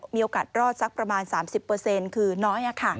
มีโอกาสรอดสักประมาณ๓๐คือน้อย